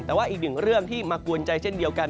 แต่ว่าอีกหนึ่งเรื่องที่มากวนใจเช่นเดียวกัน